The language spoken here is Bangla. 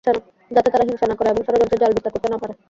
যাতে তারা হিংসা না করে এবং ষড়যন্ত্রের জাল বিস্তার করতে না পারে।